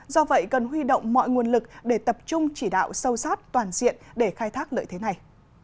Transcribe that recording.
do vậy cần huy động mọi nguồn lực để tập trung chỉ đạo sâu sát toàn diện để khai thác lợi thế này